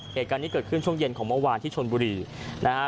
เหตุการณ์นี้เกิดขึ้นช่วงเย็นของเมื่อวานที่ชนบุรีนะฮะ